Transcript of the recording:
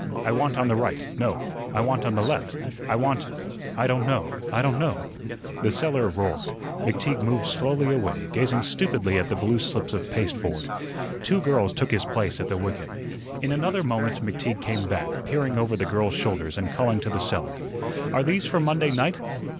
I want on the right no, I want on the left. I want I don' know, I don' know." The seller roared. McTeague moved slowly away, gazing stupidly at the blue slips of pasteboard. Two girls took his place at the wicket. In another moment McTeague came back, peering over the girls' shoulders and calling to the seller: "Are these for Monday night?"